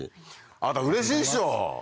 あなたうれしいでしょ？